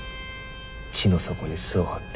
地の底に巣を張って。